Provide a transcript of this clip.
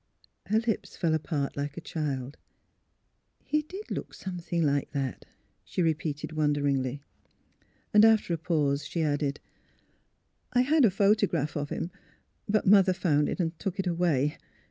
Her lips fell apart like a child's. " He did look something like that," she re peated, wonderingly. After a pause she added: AT THE PAESOXAGE 235 *' I had a photograph of him, but Mother found it and took it away.